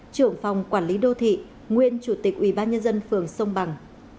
trưởng phòng quản lý đô thị nguyên chủ tịch ủy ban nhân dân phường sông bằng